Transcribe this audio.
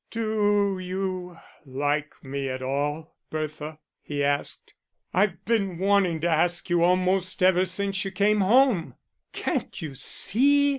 "Do you like me at all, Bertha?" he asked. "I've been wanting to ask you almost ever since you came home." "Can't you see?"